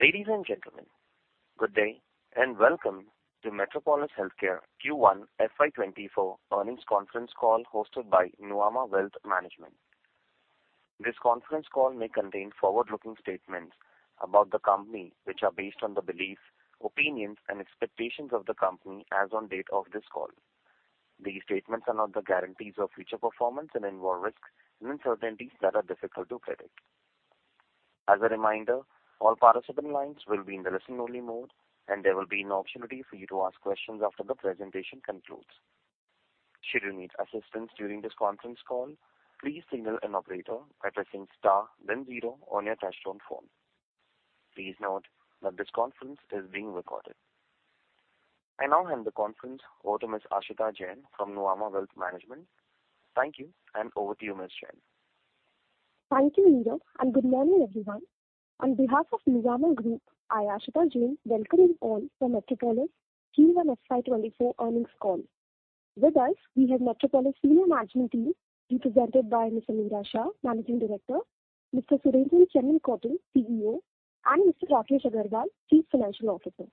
Ladies and gentlemen, good day, and welcome to Metropolis Healthcare Q1 FY 2024 earnings conference call, hosted by Nuvama Wealth Management. This conference call may contain forward-looking statements about the company, which are based on the beliefs, opinions, and expectations of the company as on date of this call. These statements are not the guarantees of future performance and involve risks and uncertainties that are difficult to predict. As a reminder, all participant lines will be in the listen-only mode, and there will be an opportunity for you to ask questions after the presentation concludes. Should you need assistance during this conference call, please signal an operator by pressing star then 0 on your touchtone phone. Please note that this conference is being recorded. I now hand the conference over to Ms. Aashita Jain from Nuvama Wealth Management. Thank you, and over to you, Ms. Jain. Thank you, [indio]. Good morning, everyone. On behalf of Nuvama Group, I, Aashita Jain, welcome you all to Metropolis Q1 FY 2024 earnings call. With us, we have Metropolis senior management team, represented by Ms. Ameera Shah, Managing Director, Mr. Surendran Chemmenkotil, CEO, and Mr. Rakesh Agarwal, Chief Financial Officer.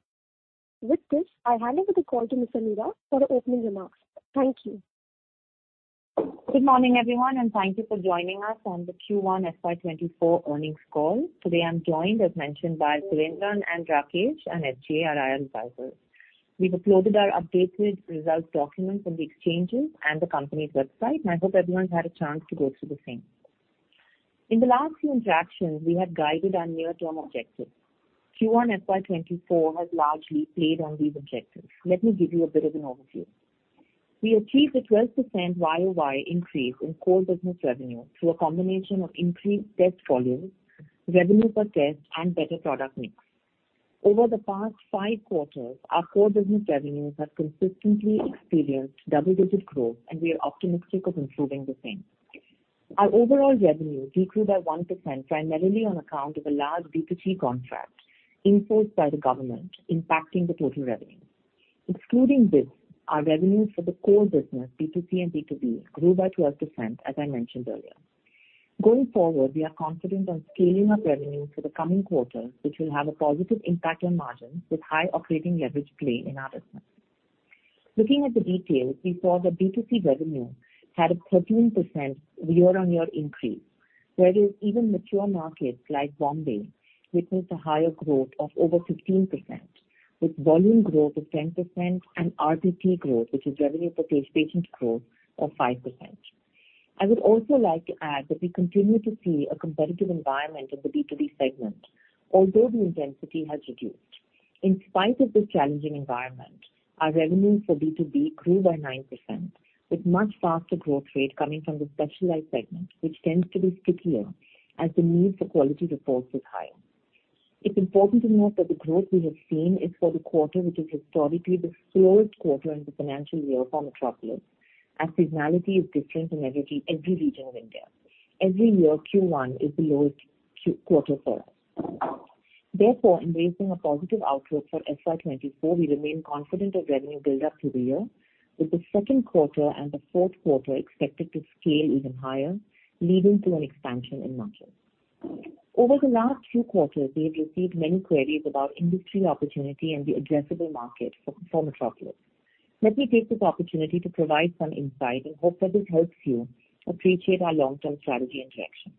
With this, I hand over the call to Ms. Ameera for the opening remarks. Thank you. Good morning, everyone, thank you for joining us on the Q1 FY 2024 earnings call. Today, I'm joined, as mentioned, by Surendran and Rakesh, and FJ, our IR advisor. We've uploaded our updated result document on the exchanges and the company's website, and I hope everyone's had a chance to go through the same. In the last few interactions, we have guided our near-term objectives. Q1 FY 2024 has largely played on these objectives. Let me give you a bit of an overview. We achieved a 12% YoY increase in core business revenue through a combination of increased test volumes, revenue per test, and better product mix. Over the past five quarters, our core business revenues have consistently experienced double-digit growth, and we are optimistic of improving the same. Our overall revenue grew by 1%, primarily on account of a large B2G contract imposed by the government, impacting the total revenue. Excluding this, our revenues for the core business, B2C and B2B, grew by 12%, as I mentioned earlier. Going forward, we are confident on scaling up revenue for the coming quarters, which will have a positive impact on margins with high operating leverage play in our business. Looking at the details, we saw the B2C revenue had a 13% year-on-year increase, whereas even mature markets like Bombay witnessed a higher growth of over 15%, with volume growth of 10% and RPP growth, which is revenue per patient growth, of 5%. I would also like to add that we continue to see a competitive environment in the B2B segment, although the intensity has reduced. In spite of this challenging environment, our revenue for B2B grew by 9%, with much faster growth rate coming from the specialized segment, which tends to be stickier as the need for quality reports is high. It's important to note that the growth we have seen is for the quarter, which is historically the slowest quarter in the financial year for Metropolis, as seasonality is different in every, every region of India. Every year, Q1 is the lowest quarter for us. In raising a positive outlook for FY 2024, we remain confident of revenue build-up through the year, with the second quarter and the fourth quarter expected to scale even higher, leading to an expansion in margins. Over the last few quarters, we have received many queries about industry opportunity and the addressable market for, for Metropolis. Let me take this opportunity to provide some insight and hope that this helps you appreciate our long-term strategy and direction.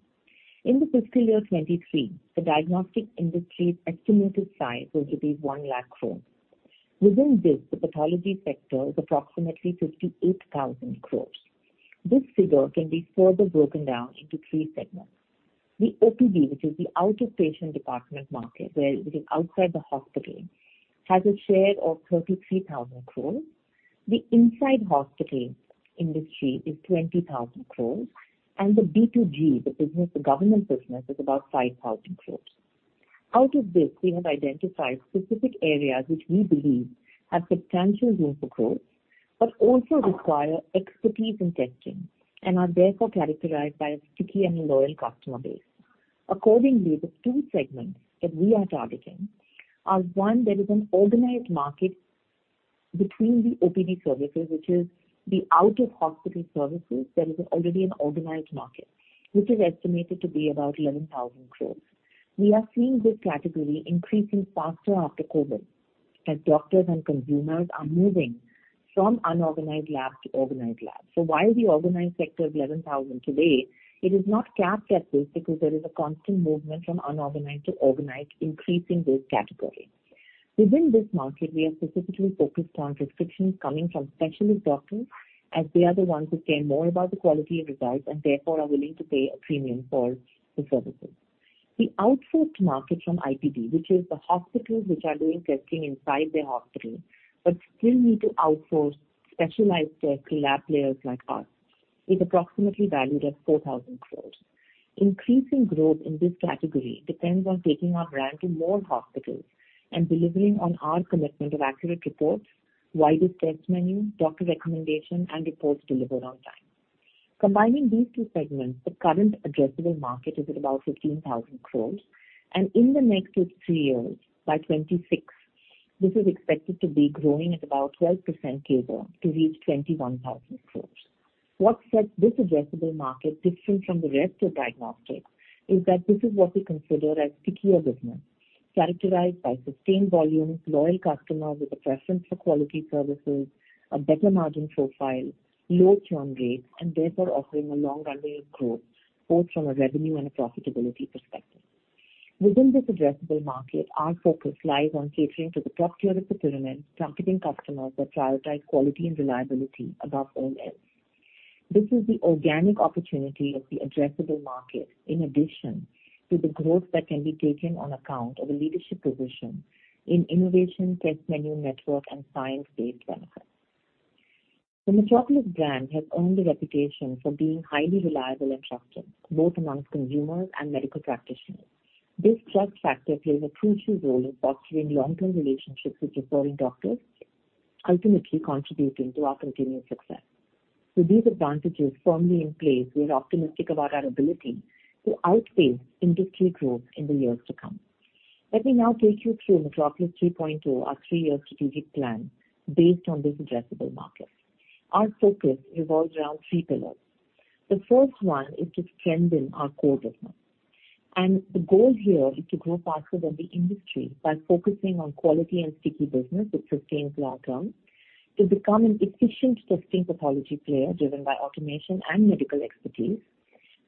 In FY 2023, the diagnostic industry's estimated size was to be 100,000 crore. Within this, the pathology sector is approximately 58,000 crore. This figure can be further broken down into three segments. The OPD, which is the outpatient department market, where it is outside the hospital, has a share of 33,000 crore. The inside hospital industry is 20,000 crore, and the B2G, the business, the government business, is about 5,000 crore. Out of this, we have identified specific areas which we believe have substantial room for growth, but also require expertise in testing and are therefore characterized by a sticky and loyal customer base. Accordingly, the two segments that we are targeting are: one, there is an organized market between the OPD services, which is the out-of-hospital services. There is already an organized market, which is estimated to be about 11,000 crores. We are seeing this category increasing faster after COVID, as doctors and consumers are moving from unorganized lab to organized lab. While the organized sector is 11,000 today, it is not capped at this because there is a constant movement from unorganized to organized, increasing this category. Within this market, we are specifically focused on prescriptions coming from specialist doctors, as they are the ones who care more about the quality and results, and therefore are willing to pay a premium for the services. The outsourced market from IPD, which is the hospitals which are doing testing inside their hospital, but still need to outsource specialized tests to lab players like us, is approximately valued at 4,000 crore. Increasing growth in this category depends on taking our brand to more hospitals and delivering on our commitment of accurate reports, wider test menu, doctor recommendation, and reports delivered on time. Combining these two segments, the current addressable market is at about 15,000 crore, and in the next two to three years, This is expected to be growing at about 12% CAGR to reach 21,000 crore. What sets this addressable market different from the rest of diagnostics, is that this is what we consider as stickier business, characterized by sustained volumes, loyal customers with a preference for quality services, a better margin profile, low churn rates, and therefore offering a long runway of growth, both from a revenue and a profitability perspective. Within this addressable market, our focus lies on catering to the top tier of the pyramid, targeting customers that prioritize quality and reliability above all else. This is the organic opportunity of the addressable market, in addition to the growth that can be taken on account of a leadership position in innovation, test menu, network, and science-based benefits. The Metropolis brand has earned a reputation for being highly reliable and trusted, both amongst consumers and medical practitioners. This trust factor plays a crucial role in fostering long-term relationships with referring doctors, ultimately contributing to our continued success. With these advantages firmly in place, we are optimistic about our ability to outpace industry growth in the years to come. Let me now take you through Metropolis 3.0, our three-year strategic plan based on this addressable market. Our focus revolves around three pillars. The first one is to strengthen our core business, and the goal here is to grow faster than the industry by focusing on quality and sticky business that sustains long term, to become an efficient testing pathology player, driven by automation and medical expertise.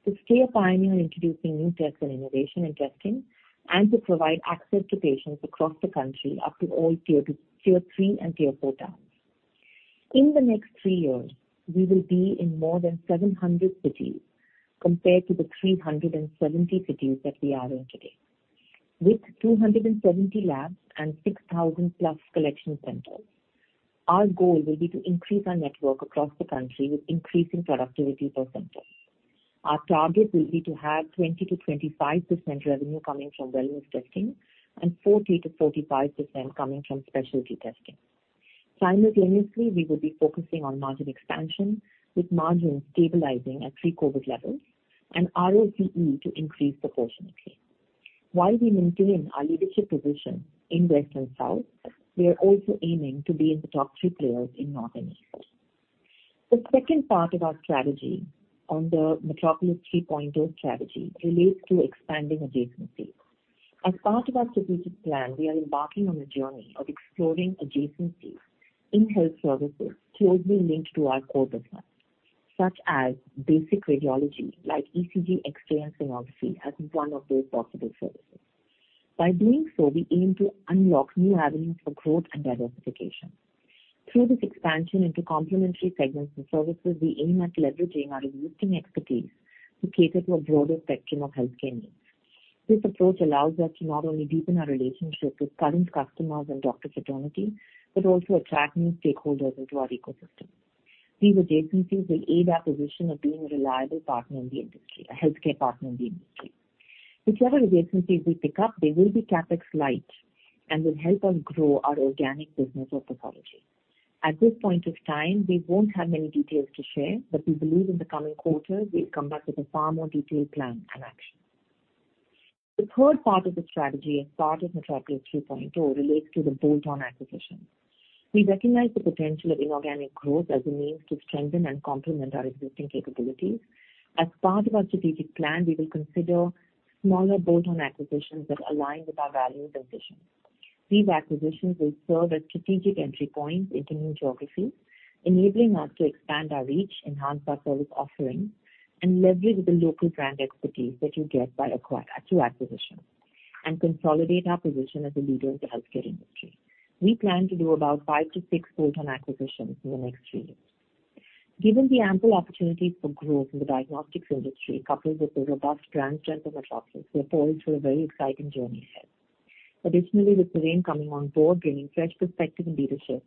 To stay a pioneer in introducing new tests and innovation in testing, and to provide access to patients across the country up to all tier two, tier three and tier four towns. In the next three years, we will be in more than 700 cities, compared to the 370 cities that we are in today. With 270 labs and 6,000+ collection centers, our goal will be to increase our network across the country with increasing productivity per center. Our target will be to have 20%-25% revenue coming from wellness testing and 40%-45% coming from specialty testing. Simultaneously, we will be focusing on margin expansion, with margins stabilizing at pre-COVID levels and ROCE to increase proportionately. While we maintain our leadership position in West and South, we are also aiming to be in the top three players in North and East. The second part of our strategy on the Metropolis 3.0 strategy relates to expanding adjacencies. As part of our strategic plan, we are embarking on a journey of exploring adjacencies in health services closely linked to our core business, such as basic radiology, like ECG, X-ray, and sonography, as one of those possible services. By doing so, we aim to unlock new avenues for growth and diversification. Through this expansion into complementary segments and services, we aim at leveraging our existing expertise to cater to a broader spectrum of healthcare needs. This approach allows us to not only deepen our relationship with current customers and doctor fraternity, but also attract new stakeholders into our ecosystem. These adjacencies will aid our position of being a reliable partner in the industry, a healthcare partner in the industry. Whichever adjacencies we pick up, they will be CapEx light and will help us grow our organic business of pathology. At this point of time, we won't have many details to share, but we believe in the coming quarters we'll come back with a far more detailed plan and action. The third part of the strategy, as part of Metropolis 3.0, relates to the bolt-on acquisition. We recognize the potential of inorganic growth as a means to strengthen and complement our existing capabilities. As part of our strategic plan, we will consider smaller bolt-on acquisitions that align with our values and vision. These acquisitions will serve as strategic entry points into new geographies, enabling us to expand our reach, enhance our service offerings, and leverage the local brand expertise that you get through acquisition, and consolidate our position as a leader in the healthcare industry. We plan to do about five to six bolt-on acquisitions in the next three years. Given the ample opportunities for growth in the diagnostics industry, coupled with the robust brand strength of Metropolis, we are poised for a very exciting journey ahead. Additionally, with Suren coming on board, bringing fresh perspective and leadership,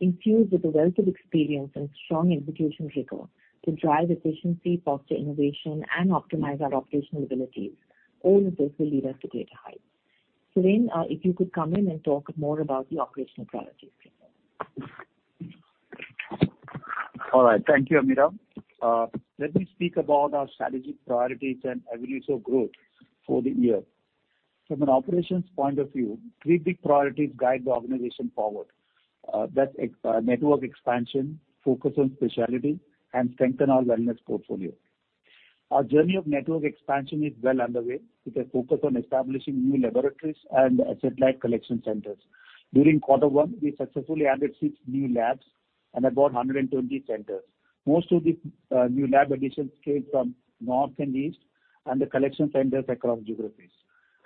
infused with a wealth of experience and strong execution rigor to drive efficiency, foster innovation, and optimize our operational abilities, all of this will lead us to greater heights. Suren, if you could come in and talk more about the operational priorities. All right. Thank you, Ameera. Let me speak about our strategic priorities and avenues of growth for the year. From an operations point of view, three big priorities guide the organization forward. That's network expansion, focus on specialty, and strengthen our wellness portfolio. Our journey of network expansion is well underway, with a focus on establishing new laboratories and satellite collection centers. quarter one, we successfully added six new labs and about 120 centers. Most of the new lab additions came from North and East, and the collection centers across geographies.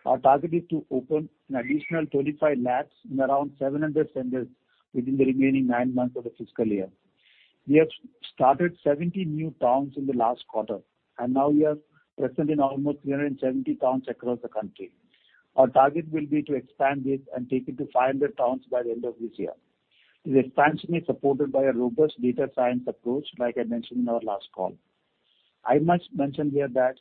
Our target is to open an additional 25 labs in around 700 centers within the remaining nine months of the fiscal year. We have started 70 new towns in the last quarter, and now we are present in almost 370 towns across the country. Our target will be to expand this and take it to 500 towns by the end of this year. This expansion is supported by a robust data science approach, like I mentioned in our last call. I must mention here that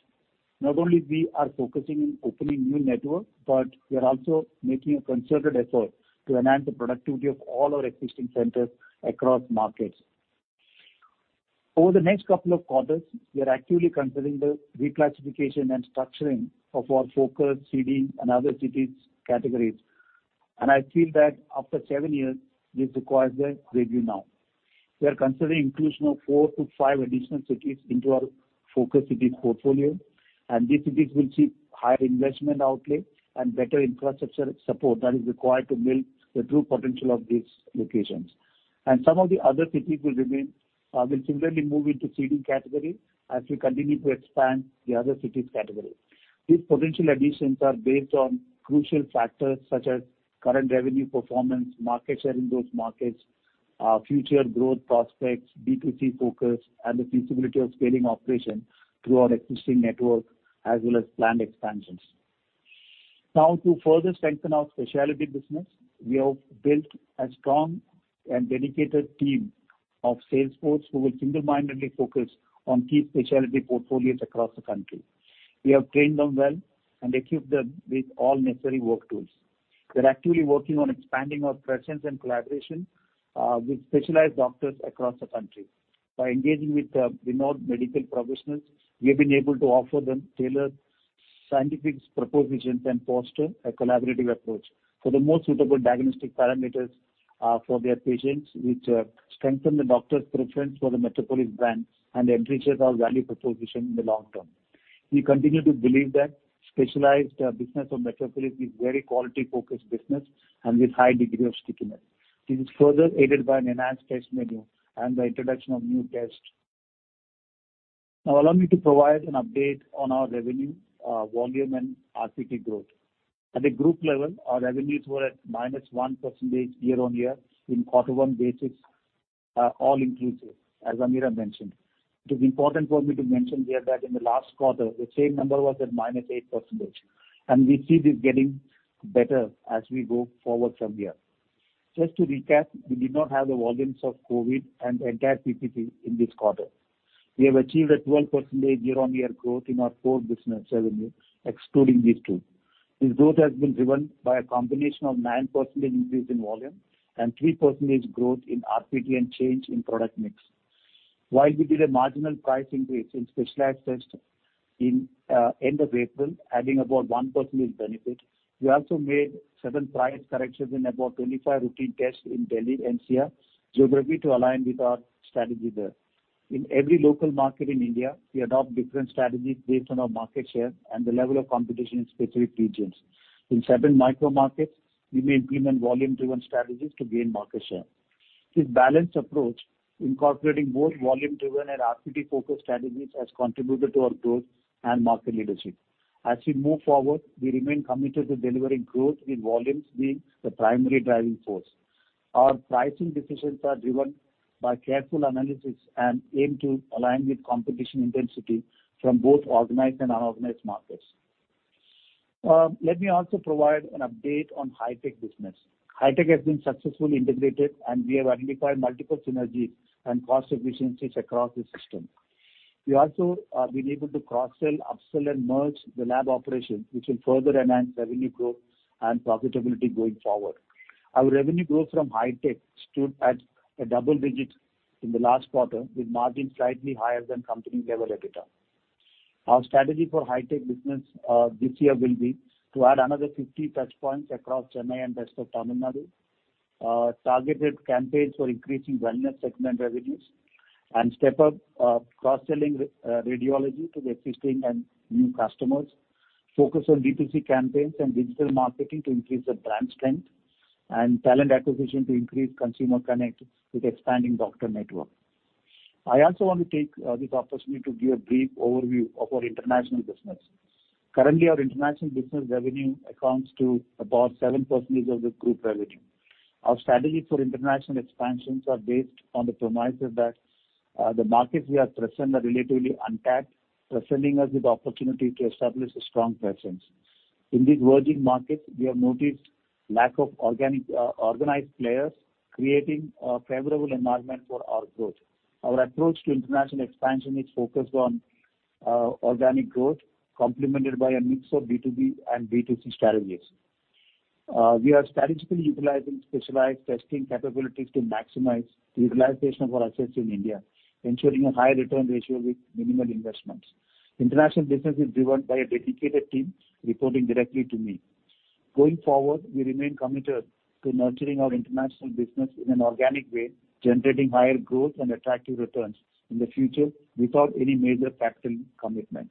not only we are focusing in opening new network, but we are also making a concerted effort to enhance the productivity of all our existing centers across markets. Over the next couple of quarters, we are actively considering the reclassification and structuring of our focus city and other cities categories, and I feel that after seven years, this requires a review now. We are considering inclusion of four to five additional cities into our focus cities portfolio, and these cities will see higher investment outlay and better infrastructure support that is required to build the true potential of these locations. Some of the other cities will remain, will similarly move into seeding category as we continue to expand the other cities category. These potential additions are based on crucial factors such as current revenue performance, market share in those markets, future growth prospects, B2C focus, and the feasibility of scaling operation through our existing network as well as planned expansions. To further strengthen our specialty business, we have built a strong and dedicated team of sales force who will single-mindedly focus on key specialty portfolios across the country. We have trained them well and equipped them with all necessary work tools. We're actively working on expanding our presence and collaboration with specialized doctors across the country. By engaging with renowned medical professionals, we have been able to offer them tailored scientific propositions and foster a collaborative approach for the most suitable diagnostic parameters for their patients, which strengthen the doctor's preference for the Metropolis brand and enriches our value proposition in the long term. We continue to believe that specialized business of Metropolis is very quality-focused business and with high degree of stickiness. This is further aided by an enhanced test menu and the introduction of new tests. Now, allow me to provide an update on our revenue, volume and RPT growth. At a group level, our revenues were at -1% year-on-year quarter one basis, all inclusive, as Ameera mentioned. It is important for me to mention here that in the last quarter, the same number was at -8%, and we see this getting better as we go forward from here. Just to recap, we did not have the volumes of COVID and entire PPC in this quarter. We have achieved a 12% year-on-year growth in our core business revenue, excluding these two. This growth has been driven by a combination of 9% increase in volume and 3% growth in RPT and change in product mix. While we did a marginal price increase in specialized test in end of April, adding about 1% benefit, we also made seven price corrections in about 25 routine tests in Delhi, NCR geography, to align with our strategy there. In every local market in India, we adopt different strategies based on our market share and the level of competition in specific regions. In certain micro markets, we may implement volume-driven strategies to gain market share. This balanced approach, incorporating both volume-driven and RPT-focused strategies, has contributed to our growth and market leadership. As we move forward, we remain committed to delivering growth, with volumes being the primary driving force. Our pricing decisions are driven by careful analysis and aim to align with competition intensity from both organized and unorganized markets. Let me also provide an update on HiTech business. HiTech has been successfully integrated, and we have identified multiple synergies and cost efficiencies across the system. We also have been able to cross-sell, upsell, and merge the lab operations, which will further enhance revenue growth and profitability going forward. Our revenue growth from HiTech stood at a double digit in the last quarter, with margin slightly higher than company level EBITDA. Our strategy for HiTech business this year will be to add another 50 touchpoints across Chennai and rest of Tamil Nadu, targeted campaigns for increasing wellness segment revenues, and step up cross-selling radiology to the existing and new customers, focus on D2C campaigns and digital marketing to increase the brand strength, and talent acquisition to increase consumer connect with expanding doctor network. I also want to take this opportunity to give a brief overview of our international business. Currently, our international business revenue accounts to about 7% of the group revenue. Our strategies for international expansions are based on the premise that the markets we are present are relatively untapped, presenting us with opportunity to establish a strong presence. In these emerging markets, we have noticed lack of organic, organized players, creating a favorable environment for our growth. Our approach to international expansion is focused on organic growth, complemented by a mix of B2B and B2C strategies. We are strategically utilizing specialized testing capabilities to maximize utilization of our assets in India, ensuring a high return ratio with minimal investments. International business is driven by a dedicated team reporting directly to me. Going forward, we remain committed to nurturing our international business in an organic way, generating higher growth and attractive returns in the future without any major capital commitment.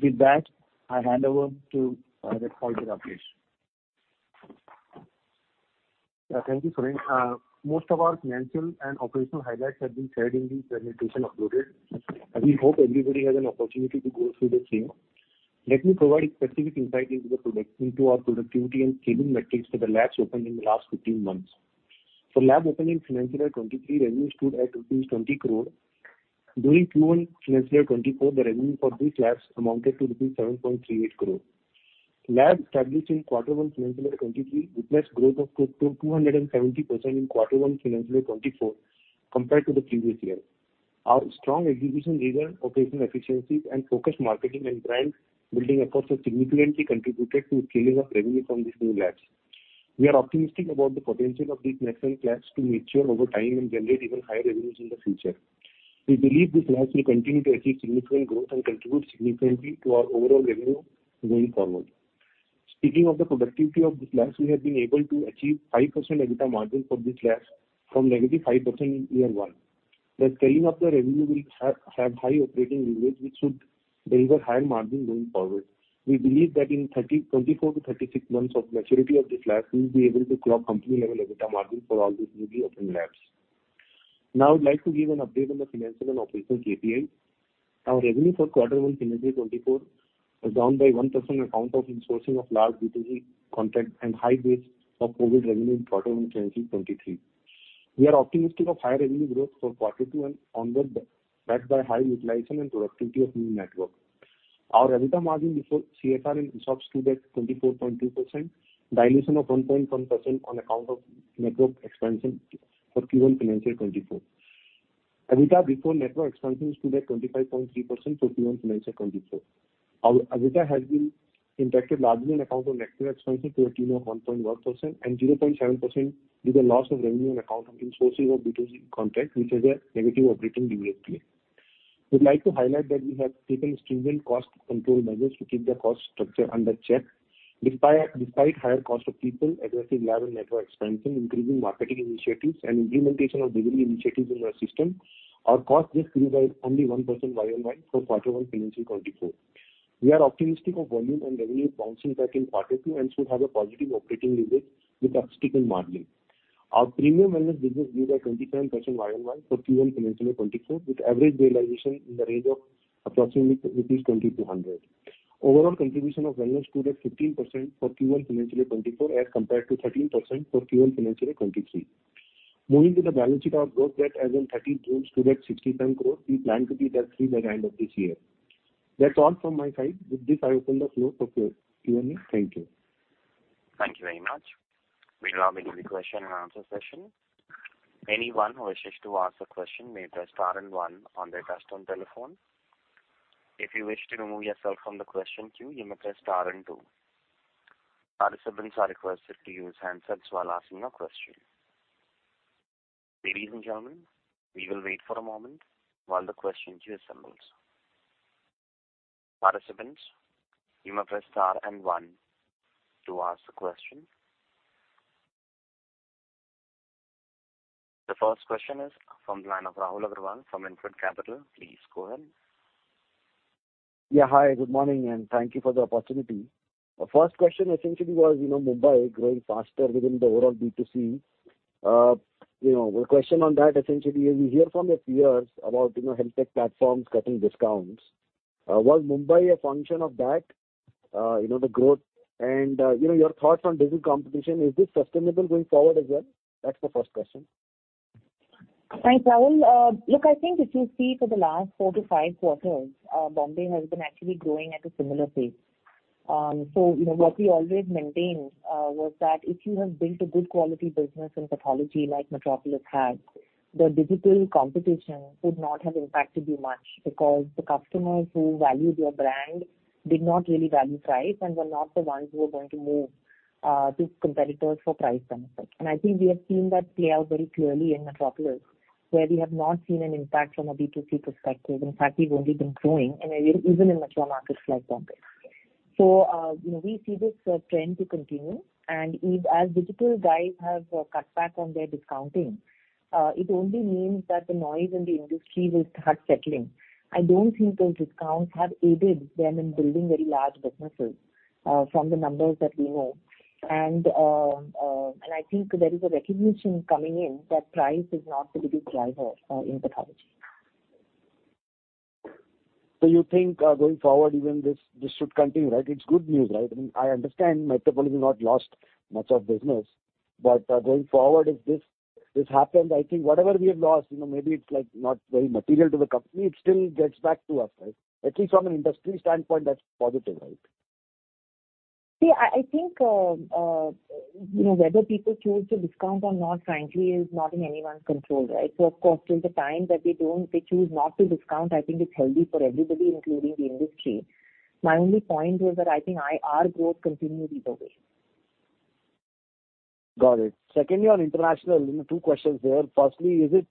With that, I hand over to Agarwal Rakesh. Thank you, Suren. Most of our financial and operational highlights have been shared in the presentation uploaded, and we hope everybody has an opportunity to go through the same. Let me provide specific insight into the product into our productivity and scaling metrics for the labs opened in the last 15 months. Lab opening financial year 2023, revenue stood at rupees 20 crore. During quarter one financial year 2024, the revenue for these labs amounted to rupees 7.38 crore. Lab established in quarter one, financial year 2023, witnessed growth of 2%-270% in quarter one, financial year 2024, compared to the previous year. Our strong execution, regional operational efficiencies and focused marketing and brand building efforts have significantly contributed to scaling of revenue from these new labs. We are optimistic about the potential of these national labs to mature over time and generate even higher revenues in the future. We believe this labs will continue to achieve significant growth and contribute significantly to our overall revenue going forward. Speaking of the productivity of this labs, we have been able to achieve 5% EBITDA margin for this labs from -5% in year one. The scaling of the revenue will have high operating leverage, which should deliver higher margin going forward. We believe that in 24-36 months of maturity of this labs, we will be able to clock company level EBITDA margin for all these newly opened labs. Now, I'd like to give an update on the financial and operational KPI. Our revenue for quarter one FY 2024 was down by 1% on account of insourcing of large B2C contract and high base of COVID revenue in quarter one FY 2023. We are optimistic of higher revenue growth for quarter two and onward, backed by high utilization and productivity of new network. Our EBITDA margin before CFR and ESOPs stood at 24.2%, dilution of 1.1% on account of network expansion for Q1 FY 2024. EBITDA before network expansion stood at 25.3% for Q1 FY 2024. Our EBITDA has been impacted largely on account of network expansion to a tune of 1.1%, and 0.7% due to loss of revenue on account of insourcing of B2C contract, which has a negative operating leverage play. We'd like to highlight that we have taken stringent cost control measures to keep the cost structure under check. Despite higher cost of people, aggressive lab and network expansion, increasing marketing initiatives, and implementation of delivery initiatives in our system, our cost just grew by only 1% YoY for quarter one FY 2024. We are optimistic of volume and revenue bouncing back in quarter two, and should have a positive operating leverage with upstick in margin. Our premium wellness business grew by 25% YoY for Q1 FY 2024, with average realization in the range of approximately rupees 2,200. Overall contribution of wellness stood at 15% for Q1 FY 2024, as compared to 13% for Q1 FY 2023. Moving to the balance sheet, our gross debt as on June 13 stood at 67 crore. We plan to be debt free by the end of this year. That's all from my side. With this, I open the floor for Q&A. Thank you. Thank you very much. We now begin the question and answer session. Anyone who wishes to ask a question may press star and one on their touchtone telephone. If you wish to remove yourself from the question queue, you may press star and two. Participants are requested to use handsets while asking a question. Ladies and gentlemen, we will wait for a moment while the question queue assembles. Participants, you may press star and one to ask a question. The first question is from the of Rahul Agarwal from InCred Capital. Please go ahead. Yeah. Hi, good morning, and thank you for the opportunity. The first question essentially was, you know, Mumbai growing faster within the overall B2C. you know, the question on that essentially is, we hear from your peers about, you know, health tech platforms cutting discounts. was Mumbai a function of that, you know, the growth? your thoughts on digital competition, is this sustainable going forward as well? That's the first question. Hi, Rahul. Look, I think if you see for the last four to five quarters, Bombay has been actually growing at a similar pace. You know, what we always maintained was that if you have built a good quality business in pathology like Metropolis has, the digital competition would not have impacted you much. Because the customers who value your brand did not really value price, and were not the ones who are going to move, to competitors for price benefits. I think we have seen that play out very clearly in Metropolis, where we have not seen an impact from a B2C perspective. In fact, we've only been growing and even in mature markets like Bombay. You know, we see this trend to continue, and if as digital guys have cut back on their discounting, it only means that the noise in the industry will start settling. I don't think those discounts have aided them in building very large businesses from the numbers that we know. I think there is a recognition coming in that price is not the big driver in pathology. You think, going forward, even this, this should continue, right? It's good news, right? I mean, I understand Metropolis has not lost much of business, but going forward, if this, this happened, I think whatever we have lost, you know, maybe it's like not very material to the company, it still gets back to us, right? At least from an industry standpoint, that's positive, right? See, I, I think, you know, whether people choose to discount or not, frankly, is not in anyone's control, right? Of course, till the time that they choose not to discount, I think it's healthy for everybody, including the industry. My only point was that I think our growth continues either way. Got it. Secondly, on international, you know, two questions there. Firstly, is it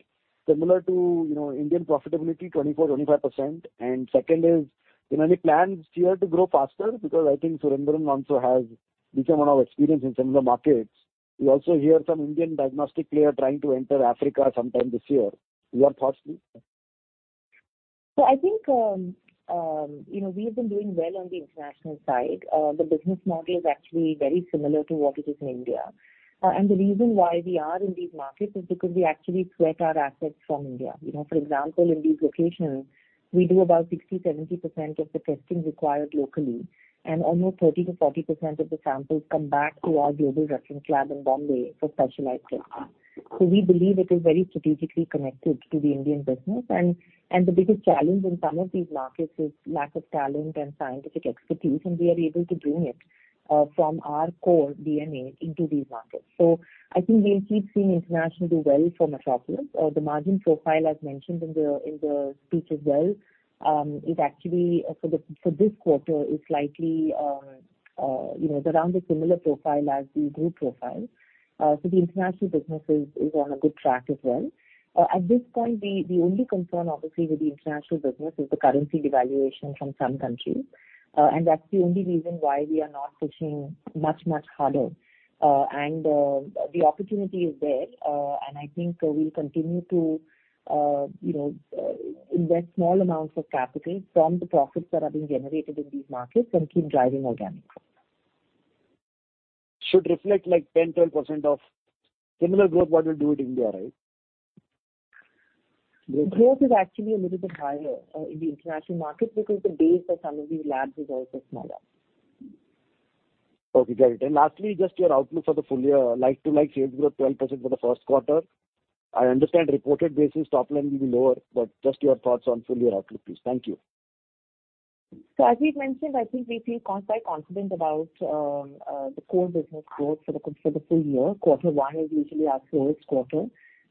similar to, you know, Indian profitability, 24%-25%? Second is: any plans here to grow faster? I think Surendran also has become one of experience in similar markets. We also hear some Indian diagnostic player trying to enter Africa sometime this year. Your thoughts please. I think, you know, we have been doing well on the international side. The business model is actually very similar to what it is in India. The reason why we are in these markets is because we actually threat our assets from India. You know, for example, in these locations, we do about 60%-70% of the testing required locally, and almost 30%-40% of the samples come back to our global reference lab in Bombay for specialized tests. We believe it is very strategically connected to the Indian business. The biggest challenge in some of these markets is lack of talent and scientific expertise, and we are able to bring it from our core DNA into these markets. I think we'll keep seeing international do well for Metropolis. The margin profile, as mentioned in the, in the speech as well, is actually, for this quarter, is slightly, you know, it's around a similar profile as the group profile. The international business is, is on a good track as well. At this point, the, the only concern obviously with the international business is the currency devaluation from some countries. That's the only reason why we are not pushing much, much harder. The opportunity is there, and I think we'll continue to, you know, invest small amounts of capital from the profits that are being generated in these markets and keep driving organically. Should reflect like 10%, 12% of similar growth what you do in India, right? Growth is actually a little bit higher, in the international market because the base for some of these labs is also smaller. Okay, got it. Lastly, just your outlook for the full year, like-to-like sales growth 12% for the first quarter. I understand reported basis, top line will be lower, but just your thoughts on full year outlook, please. Thank you. As we've mentioned, I think we feel quite confident about the core business growth for the full year. Quarter one is usually our slowest quarter.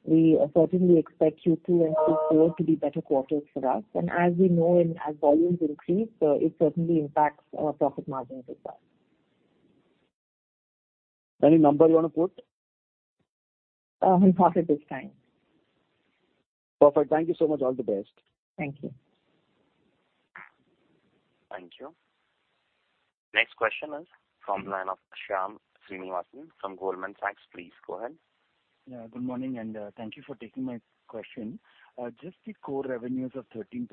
We certainly expect Q2 and Q4 to be better quarters for us. As we know, and as volumes increase, it certainly impacts our profit margin as well. Any number you want to put? We'll pause at this time. Perfect. Thank you so much. All the best. Thank you. Thank you. Next question is from the line of Shyam Srinivasan from Goldman Sachs. Please, go ahead. Yeah, good morning, and thank you for taking my question. Just the core revenues of 13%,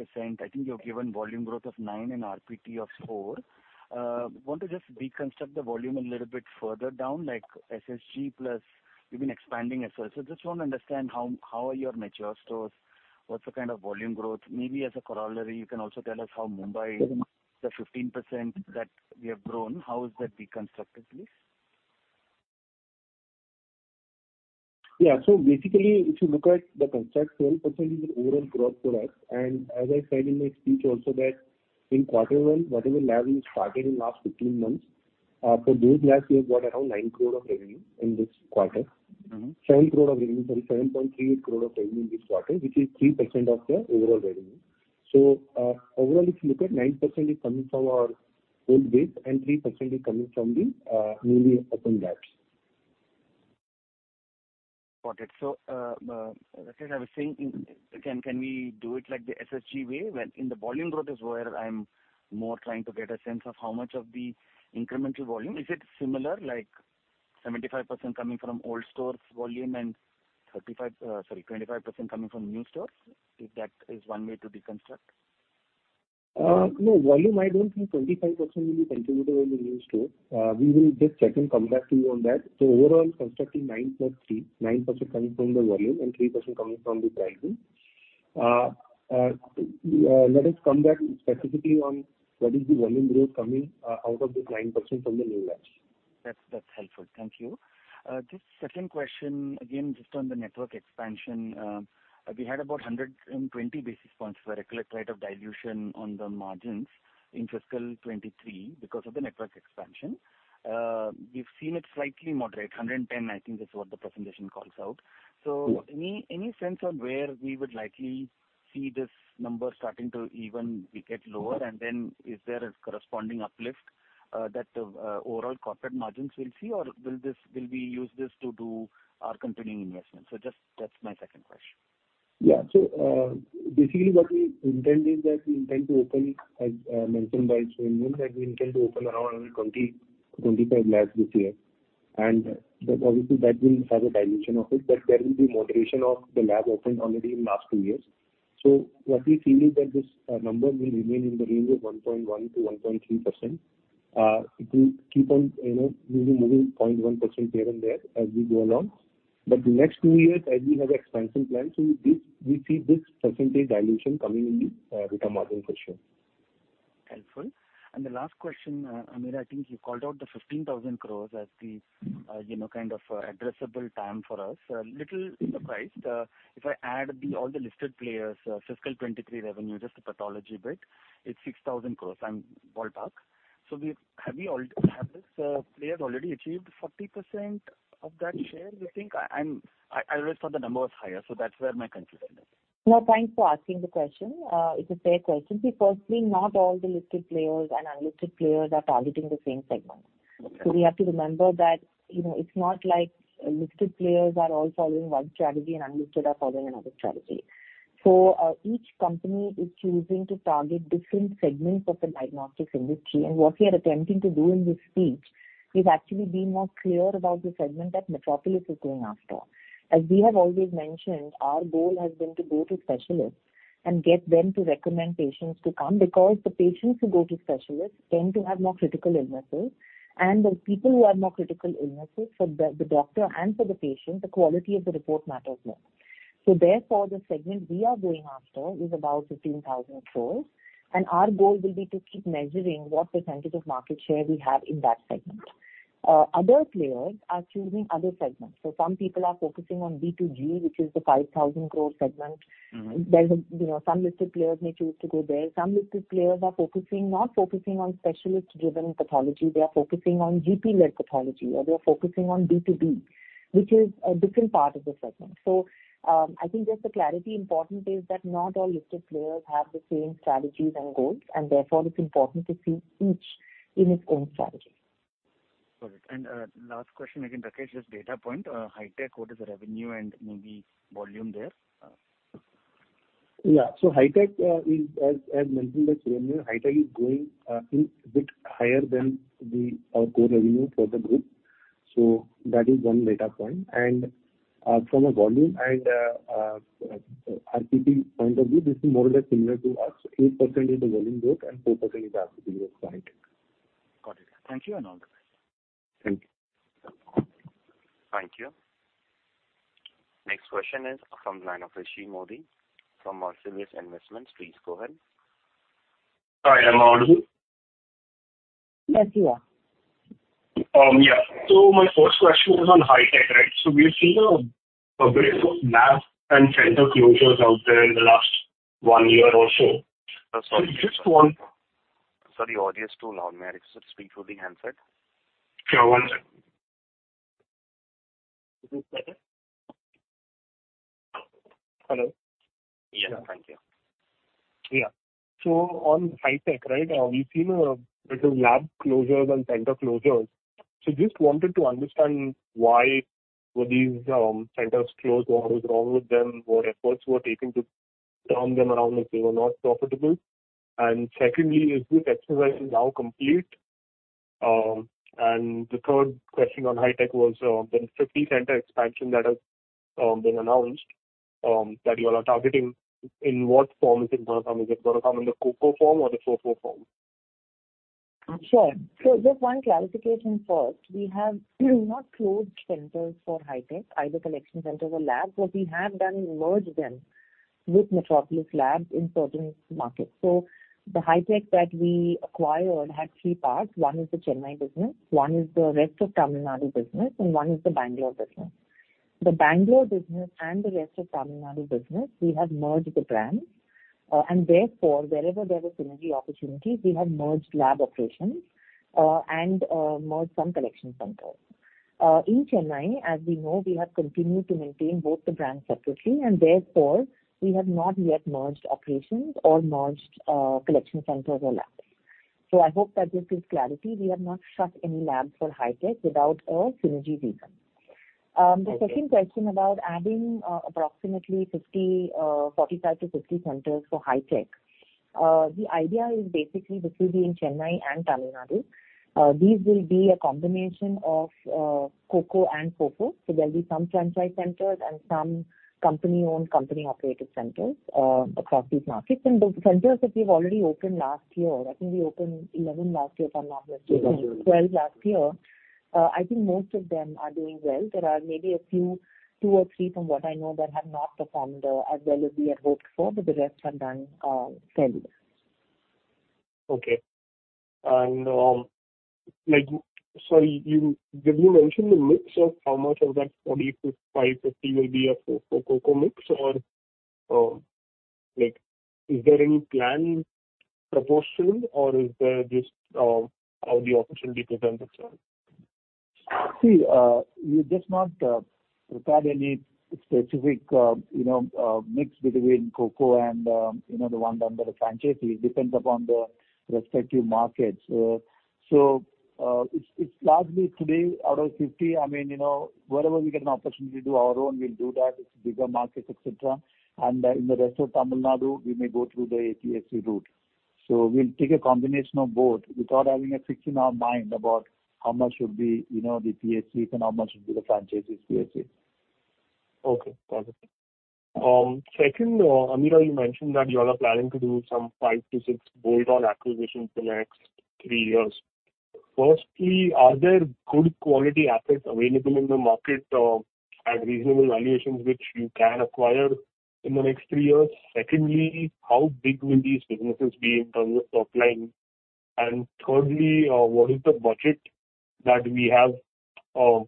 I think you've given volume growth of nine and RPT of four. Want to just deconstruct the volume a little bit further down, like SSG plus you've been expanding as well. Just want to understand how, how are your mature stores? What's the kind of volume growth? Maybe as a corollary, you can also tell us how Mumbai, the 15% that we have grown, how is that deconstructed, please? Yeah. Basically, if you look at the construct, 12% is the overall growth for us. As I said in my speech also that in quarter one, whatever lab we started in last 15 months, for those labs, we have got around 9 crore of revenue in this quarter. 7 crore of revenue, sorry, 7.3 crore of revenue in this quarter, which is 3% of the overall revenue. Overall, if you look at 9% is coming from our old base and 3% is coming from the newly opened labs. Got it. As I was saying, can, can we do it like the SSG way, where in the volume growth is where I'm more trying to get a sense of how much of the incremental volume. Is it similar, like 75% coming from old stores volume and 35%, sorry, 25% coming from new stores? If that is one way to deconstruct. No, volume, I don't think 25% will be contributed by the new store. We will just check and come back to you on that. Overall, constructing 9.39% coming from the volume and 3% coming from the pricing. Let us come back specifically on what is the volume growth coming, out of the 9% from the new labs. That's, that's helpful. Thank you. Just second question, again, just on the network expansion. We had about 120 basis points for accurate rate of dilution on the margins in FY 2023 because of the network expansion. We've seen it slightly moderate, 110, I think is what the presentation calls out. Any, any sense on where we would likely see this number starting to even get lower? Then is there a corresponding uplift that the overall corporate margins will see, or will we use this to do our continuing investment? Just that's my second question. Yeah. Basically what we intend is that we intend to open, as mentioned by Shyam, that we intend to open around 20-25 labs this year. Obviously, that will have a dilution of it, but there will be moderation of the lab opened already in last two years. What we feel is that this number will remain in the range of 1.1%-1.3%. It will keep on, you know, moving 0.1% here and there as we go along. The next two years, as we have expansion plans, this, we see this percentage dilution coming in the beta margin for sure. Helpful. The last question, Ameera, I think you called out the 15,000 crore as the, you know, kind of addressable time for us. A little surprised, if I add the, all the listed players, FY 2023 revenue, just the pathology bit, it's 6,000 crore, I'm ballpark. Have this players already achieved 40% of that share, you think? I always thought the number was higher, so that's where my concern is. No, thanks for asking the question. It's a fair question. See, firstly, not all the listed players and unlisted players are targeting the same segment. We have to remember that, you know, it's not like listed players are all following one strategy and unlisted are following another strategy. Each company is choosing to target different segments of the diagnostics industry. What we are attempting to do in this speech, we've actually been more clear about the segment that Metropolis is going after. As we have always mentioned, our goal has been to go to specialists and get them to recommend patients to come, because the patients who go to specialists tend to have more critical illnesses. The people who have more critical illnesses, for the, the doctor and for the patient, the quality of the report matters more. Therefore, the segment we are going after is about 15,000 crore, and our goal will be to keep measuring what percentage of market share we have in that segment. Other players are choosing other segments. Some people are focusing on B2G, which is the 5,000 crore segment. Mm-hmm. There's, you know, some listed players may choose to go there. Some listed players are focusing, not focusing on specialist-driven pathology. They are focusing on GP-led pathology, or they are focusing on B2B, which is a different part of the segment. I think just the clarity important is that not all listed players have the same strategies and goals, and therefore it's important to see each in its own strategy. Got it. Last question again, Rakesh, just data point, HiTech, what is the revenue and maybe volume there? Yeah. HiTech is, as, as mentioned by Surendran, HiTech is growing a bit higher than our core revenue for the group. That is one data point. From a volume and RTP point of view, this is more or less similar to us. 8% is the volume growth and 4% is the RTP growth for HiTech. Got it. Thank you, and all the best. Thank you. Next question is from the line of Rishi Mody, from Marcellus Investments. Please go ahead. Hi, am I audible? Yes, you are. Yeah. My first question was on HiTech, right? We've seen a bit of lab and center closures out there in the last one year or so. Sorry, the audio is too loud, may I speak through the handset? Sure, one second. Is it better? Hello. Yeah, thank you. Yeah. On HiTech, right, we've seen a bit of lab closures and center closures. Just wanted to understand why were these centers closed? What was wrong with them? What efforts were taken to turn them around if they were not profitable? Secondly, is this exercise now complete? The third question on HiTech was the 50 center expansion that has been announced that you all are targeting, in what form is it gonna come? Is it gonna come in the COCO form or the FOFO form? Sure. Just one clarification first. We have not closed centers for HiTech, either collection centers or labs. What we have done, merged them with Metropolis Labs in certain markets. The HiTech that we acquired had three parts. One is the Chennai business, one is the rest of Tamil Nadu business, and one is the Bangalore business. The Bangalore business and the rest of Tamil Nadu business, we have merged the brands, and therefore, wherever there were synergy opportunities, we have merged lab operations, and merged some collection centers. In Chennai, as we know, we have continued to maintain both the brands separately, and therefore, we have not yet merged operations or merged collection centers or labs. I hope that this gives clarity. We have not shut any labs for HiTech without a synergy reason. The second question about adding, approximately 50, 45-50 centers for HiTech. The idea is basically this will be in Chennai and Tamil Nadu. These will be a combination of, COCO and FOFO. there'll be some franchise centers and some company-owned, company-operated centers, across these markets. the centers that we've already opened last year, I think we opened 11 last year, if I'm not mistaken 12 last year. I think most of them are doing well. There are maybe a few, two or three, from what I know, that have not performed as well as we had hoped for, but the rest have done fairly well. Okay. Like, Sorry, you, did you mention the mix of how much of that 40 to 550 will be a FOFO, COCO mix? Or, like, is there any planned proportion, or is there just, how the opportunity presents itself? See, we just not prepared any specific, you know, mix between COCO and, you know, the one under the franchisee. It depends upon the respective markets. So, it's largely today, out of 50, I mean, you know, wherever we get an opportunity to do our own, we'll do that. It's bigger markets, et cetera. In the rest of Tamil Nadu, we may go through the PHC route. We'll take a combination of both without having a fix in our mind about how much should be, you know, the PHCs and how much should be the franchisees PHC. Okay, got it. Second, Ameera, you mentioned that you all are planning to do some five to six bolt-on acquisitions the next three years. Firstly, are there good quality assets available in the market at reasonable valuations, which you can acquire in the next three years? Secondly, how big will these businesses be in terms of top line? Thirdly, what is the budget that we have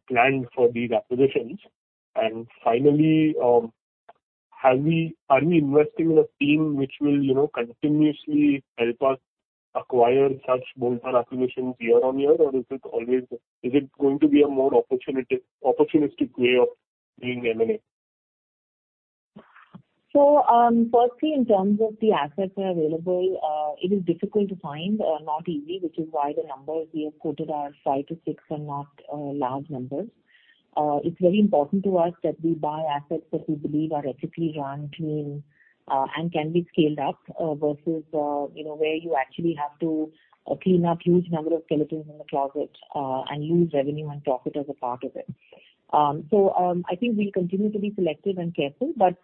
planned for these acquisitions? Finally, are we investing in a team which will, you know, continuously help us acquire such bolt-on acquisitions year-on-year? Or is it going to be a more opportunistic way of doing M&A? Firstly, in terms of the assets that are available, it is difficult to find, not easy, which is why the numbers we have quoted are five to six, are not large numbers. It's very important to us that we buy assets that we believe are ethically run, clean, and can be scaled up versus, you know, where you actually have to clean up huge number of skeletons in the closet, and use revenue and profit as a part of it. I think we'll continue to be selective and careful, but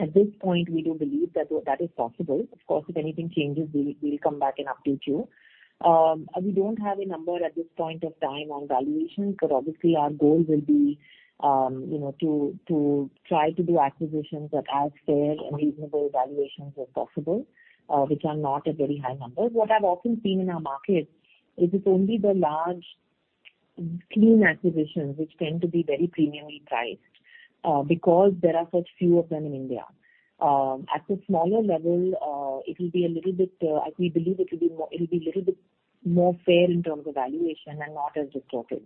at this point, we do believe that, that is possible. Of course, if anything changes, we'll, we'll come back and update you. We don't have a number at this point of time on valuation. Obviously our goal will be, you know, to, to try to do acquisitions at as fair and reasonable valuations as possible, which are not a very high number. What I've often seen in our markets, it is only the large clean acquisitions which tend to be very premiumly priced, because there are such few of them in India. At a smaller level, it will be a little bit, like we believe it'll be more... It'll be a little bit more fair in terms of valuation and not as distorted.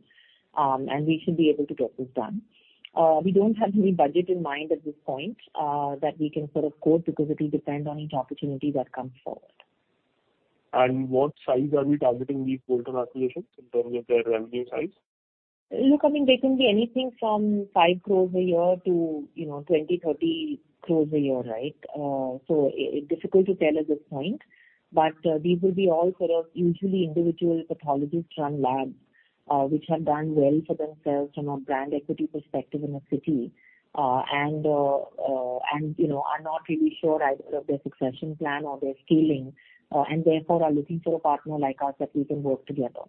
We should be able to get this done. We don't have any budget in mind at this point, that we can sort of quote, because it'll depend on each opportunity that comes forward. What size are we targeting these bolt-on acquisitions in terms of their revenue size? Look, I mean, they can be anything from 5 crores a year to, you know, 20-30 crores a year, right? So it difficult to tell at this point, but these will be all sort of usually individual pathologist-run labs, which have done well for themselves from a brand equity perspective in a city. And, you know, are not really sure either of their succession plan or their scaling, and therefore are looking for a partner like us, that we can work together.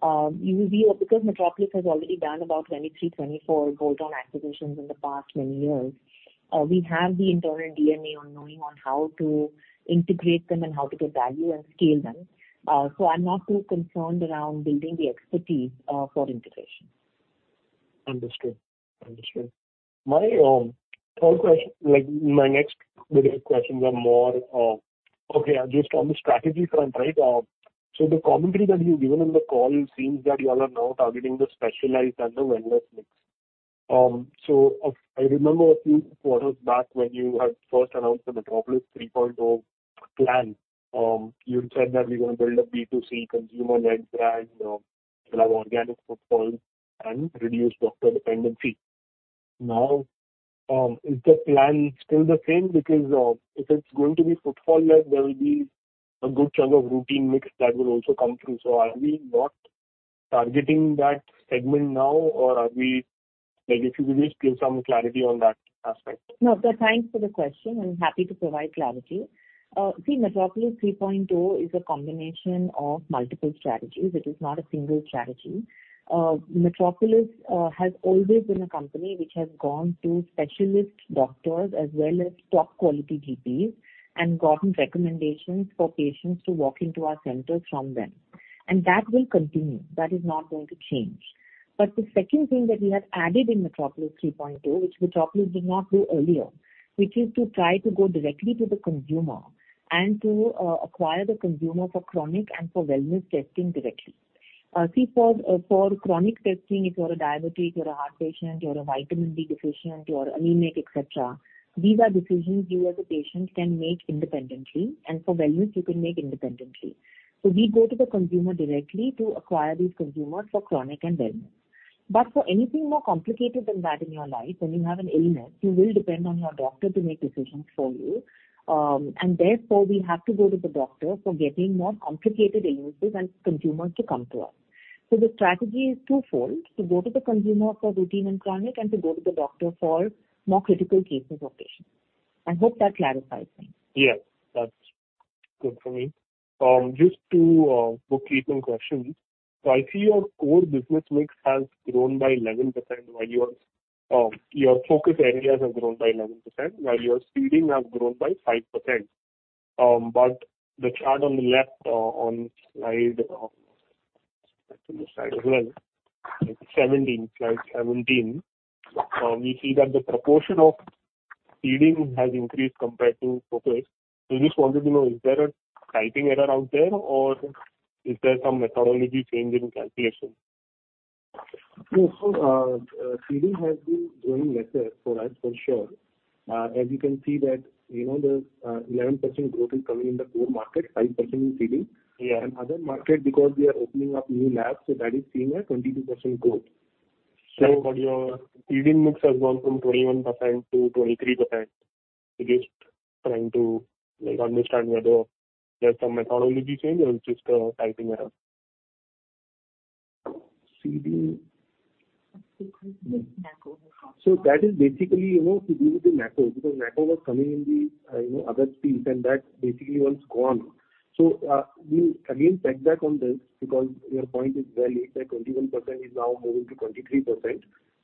Because Metropolis has already done about 23-24 bolt-on acquisitions in the past many years, we have the internal DNA on knowing on how to integrate them and how to get value and scale them. So I'm not too concerned around building the expertise for integration. Understood. Understood. My, like, my next bigger questions are more, okay, just on the strategy front, right? The commentary that you've given in the call seems that you all are now targeting the specialized and the wellness mix. I remember a few quarters back when you had first announced the Metropolis 3.0 plan, you had said that we're going to build a B2C consumer-led brand, have organic footfall and reduce doctor dependency. Now, is the plan still the same? Because if it's going to be footfall-led, there will be a good chunk of routine mix that will also come through. Are we not targeting that segment now, or are we... Like, if you could just give some clarity on that aspect? No, sir, thanks for the question. I'm happy to provide clarity. See, Metropolis 3.0 is a combination of multiple strategies. It is not a single strategy. Metropolis has always been a company which has gone to specialist doctors, as well as top quality GPs, and gotten recommendations for patients to walk into our centers from them, and that will continue. That is not going to change. The second thing that we have added in Metropolis 3.0, which Metropolis did not do earlier, which is to try to go directly to the consumer and to acquire the consumer for chronic and for wellness testing directly. See, for chronic testing, if you're a diabetic, you're a heart patient, you're a vitamin D deficient, you're anemic, et cetera, these are decisions you, as a patient, can make independently, and for wellness, you can make independently. We go to the consumer directly to acquire these consumers for chronic and wellness. For anything more complicated than that in your life, when you have an illness, you will depend on your doctor to make decisions for you. Therefore, we have to go to the doctor for getting more complicated illnesses and consumers to come to us. The strategy is twofold: to go to the consumer for routine and chronic, and to go to the doctor for more critical cases of patients. I hope that clarifies things. Yes, that's good for me. Just two bookkeeping questions. I see your core business mix has grown by 11%, while your focus areas have grown by 11%, while your seeding have grown by 5%. But the chart on the left, on slide 17, slide 17, we see that the proportion of seeding has increased compared to focus. I just wanted to know, is there a typing error out there, or is there some methodology change in calculation? seeding has been doing better for us, for sure. As you can see that, you know, the, 11% growth is coming in the core market, 5% in seeding. Yeah. Other market, because we are opening up new labs, so that is seeing a 22% growth. Your seeding mix has gone from 21% to 23%. Just trying to, like, understand whether there's some methodology change or just a typing error? Seeding...That is basically, you know, to do with the NACO, because NACO was coming in the, you know, other streams, and that basically once gone. We'll again check back on this because your point is well laid, that 21% is now moving to 23%.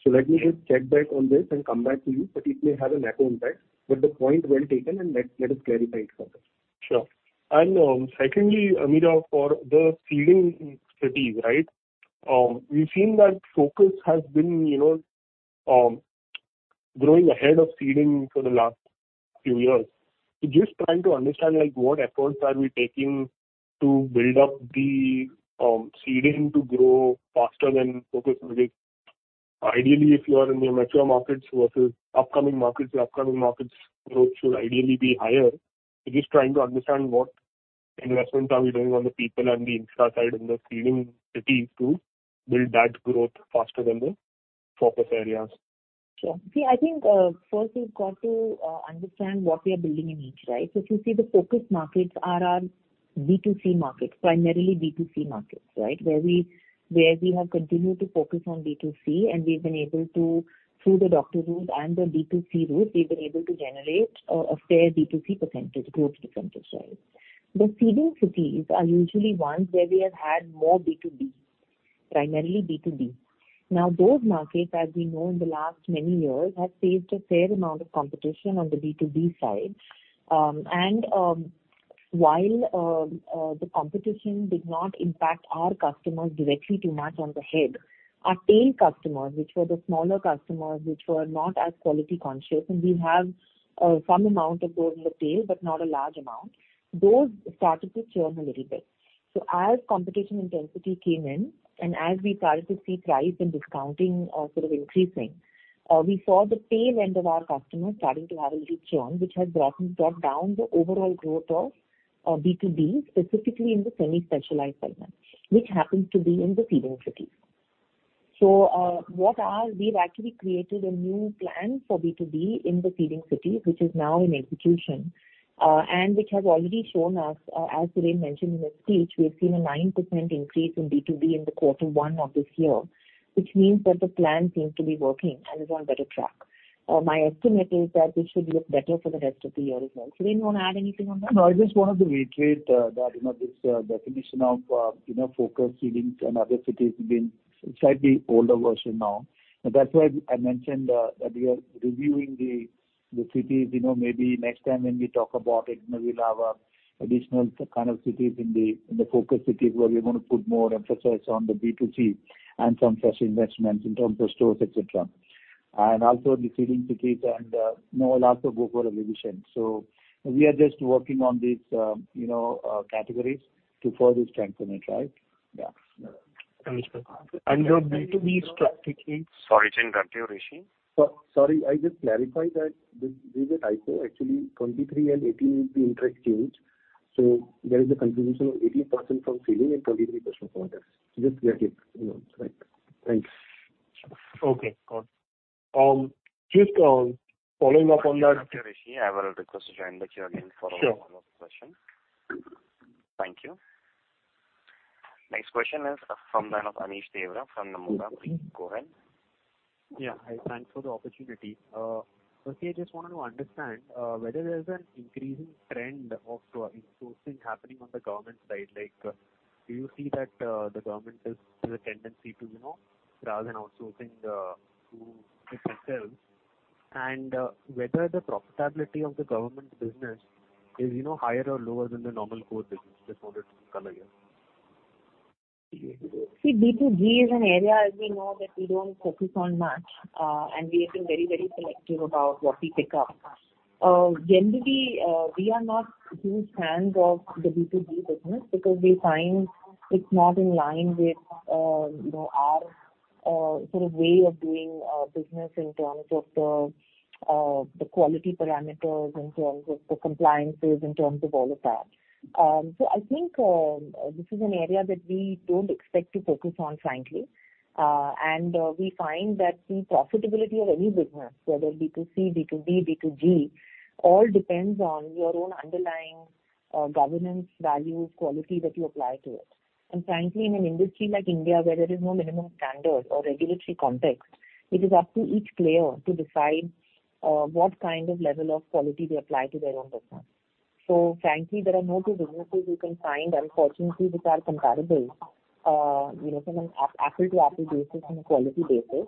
Let me just check back on this and come back to you, but it may have a NACO impact. The point well taken, and let, let us clarify it for this. Sure. Secondly, Ameera, for the seeding cities, right? We've seen that focus has been, you know, growing ahead of seeding for the last few years. Just trying to understand, like, what efforts are we taking to build up the seeding to grow faster than focus areas. Sure. See, I think, first we've got to understand what we are building in each, right? If you see, the focus markets are our B2C markets, primarily B2C markets, right? Where we, where we have continued to focus on B2C, and we've been able to through the doctor route and the B2C route, we've been able to generate a fair B2C percentage, growth percentage, sorry. The seeding cities are usually ones where we have had more B2B, primarily B2B. Those markets, as we know, in the last many years, have faced a fair amount of competition on the B2B side. While the competition did not impact our customers directly too much on the head, our tail customers, which were the smaller customers, which were not as quality conscious, and we have some amount of those in the tail, but not a large amount, those started to churn a little bit. As competition intensity came in, and as we started to see price and discounting, sort of increasing, we saw the tail end of our customers starting to have a leach on, which has brought down the overall growth of B2B, specifically in the semi-specialized segment, which happens to be in the seeding cities. We've actually created a new plan for B2B in the seeding cities, which is now in execution, and which has already shown us, as Suren mentioned in his speech, we have seen a 9% increase in B2B in the quarter one of this year, which means that the plan seems to be working and is on better track. My estimate is that this should look better for the rest of the year as well. Suren, you want to add anything on that? No, I just wanted to reiterate that, you know, this definition of, you know, focus cities and other cities being slightly older version now. That's why I mentioned that we are reviewing the cities. You know, maybe next time when we talk about it, maybe we'll have additional kind of cities in the focus cities, where we're going to put more emphasis on the B2C and some fresh investments in terms of stores, et cetera. Also the seeding cities and, you know, will also go for a revision. We are just working on these, you know, categories to further strengthen it, right? Yeah. Understood. The B2B strategically- Sorry, can I interrupt you, Rishi? Sorry, I just clarify that this is a typo. Actually, 23 and 18 is the interchange. There is a contribution of 80% from seeding and 23% from context. Just clarify, you know. Thanks. Okay, got it. Just following up on that. Dr. Rishi, I have a request to join the queue again for- Sure. One more question. Thank you. Next question is from the line of Anish Devra, from the Nomura. Please go ahead. Yeah. Hi, thanks for the opportunity. Firstly, I just wanted to understand whether there is an increasing trend of insourcing happening on the government side. Like, do you see that the government has the tendency to, you know, rather than outsourcing to itself, and whether the profitability of the government business is, you know, higher or lower than the normal core business? Just wanted to color here. See, B2G is an area as we know that we don't focus on much, and we have been very, very selective about what we pick up. Generally, we are not huge fans of the B2B business because we find it's not in line with, you know, our sort of way of doing business in terms of the quality parameters, in terms of the compliances, in terms of all of that. I think this is an area that we don't expect to focus on, frankly. We find that the profitability of any business, whether B2C, B2B, B2G, all depends on your own underlying governance, values, quality that you apply to it. Frankly, in an industry like India, where there is no minimum standard or regulatory context, it is up to each player to decide what kind of level of quality they apply to their own business. Frankly, there are no two businesses you can find, unfortunately, which are comparable, you know, from an apple-to-apple basis on a quality basis.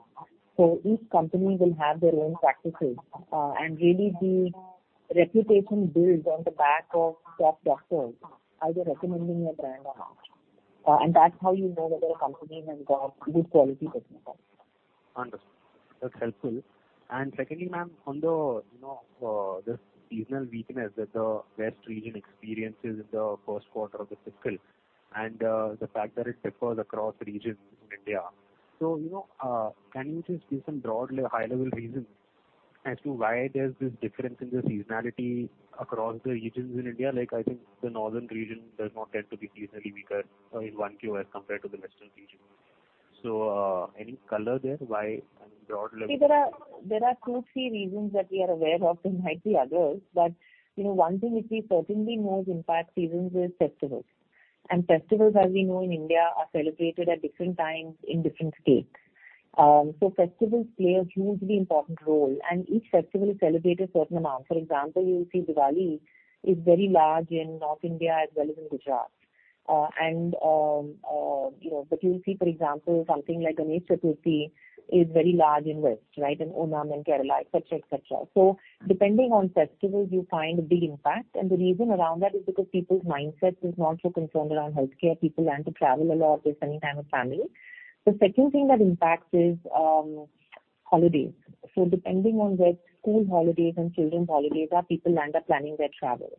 Each company will have their own practices, and really the reputation builds on the back of top doctors, either recommending your brand or not. And that's how you know whether a company has got good quality customers. Understood. That's helpful. Secondly, ma'am, on the, you know, this seasonal weakness that the West region experiences in the first quarter of the fiscal and the fact that it differs across regions in India. You know, can you just give some broad, high-level reasons as to why there's this difference in the seasonality across the regions in India? Like, I think the Northern region does not get to be seasonally weaker in one quarter compared to the Western region. Any color there, why and broad level? See, there are, there are two, three reasons that we are aware of, there might be others. You know, one thing which we certainly know impact seasons is festivals. Festivals, as we know in India, are celebrated at different times in different states. Festivals play a hugely important role, and each festival is celebrated a certain amount. For example, you'll see Diwali is very large in North India as well as in Gujarat. You know, you'll see, for example, something like Ganesh Chaturthi is very large in West, right? In Oman and Kerala, et cetera, et cetera. Depending on festivals, you find a big impact, and the reason around that is because people's mindsets is not so concerned around healthcare. People learn to travel a lot, they're spending time with family. The second thing that impacts is holidays. Depending on where school holidays and children's holidays are, people land up planning their travel.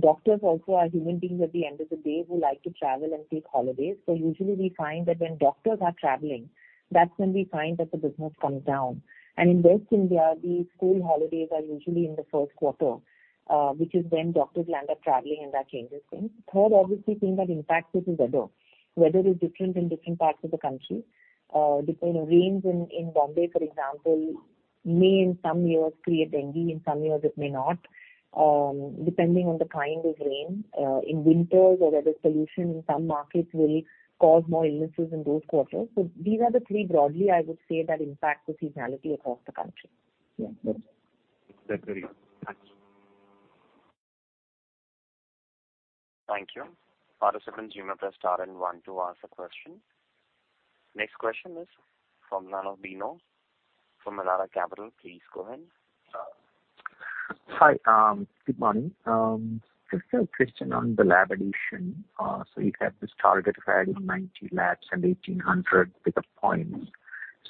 Doctors also are human beings at the end of the day, who like to travel and take holidays. Usually we find that when doctors are traveling, that's when we find that the business comes down. In West India, the school holidays are usually in the first quarter, which is when doctors land up traveling, and that changes things. Third, obviously, thing that impacts it is weather. Weather is different in different parts of the country. Depending, rains in, in Bombay, for example, may in some years create dengue, in some years it may not, depending on the kind of rain. In winters or where there's pollution, in some markets will cause more illnesses in those quarters. These are the three broadly, I would say, that impact the seasonality across the country. Yeah. That's great. Thanks. Thank you. Participant you may press star and one to ask a question. Next question is from the line of Dino, from the Mirae Capital. Please go ahead. Hi, good morning. Just a question on the lab addition. You have this target of adding 90 labs and 1,800 pickup points.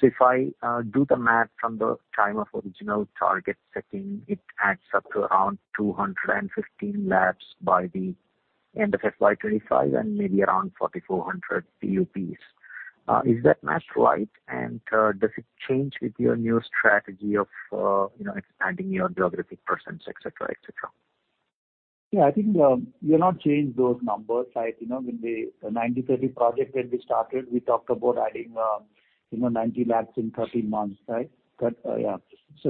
If I do the math from the time of original target setting, it adds up to around 215 labs by the end of FY 2025, and maybe around 4,400 PUPs. Is that math right? Does it change with your new strategy of, you know, expanding your geographic presence, et cetera, et cetera? Yeah, I think, we have not changed those numbers, right. You know, when the 90-30 project when we started, we talked about adding, you know, 90 labs in 30 months, right? Yeah.